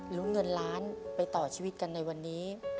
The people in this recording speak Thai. ลุ้นเงินล้านไปต่อชีวิตกันในวันนี้